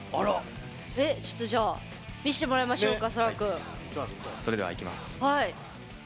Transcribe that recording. ちょっと見せてもらいましょうか。